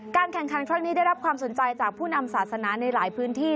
แข่งขันครั้งนี้ได้รับความสนใจจากผู้นำศาสนาในหลายพื้นที่